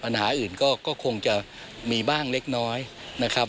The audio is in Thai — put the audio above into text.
ปัญหาอื่นก็คงจะมีบ้างเล็กน้อยนะครับ